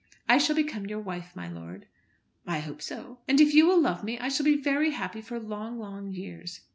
I shall become your wife, my lord." "I hope so." "And if you will love me I shall be very happy for long, long years."